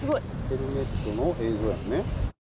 ヘルメットの映像やんね。